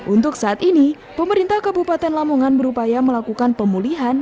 untuk saat ini pemerintah kabupaten lamongan berupaya melakukan pemulihan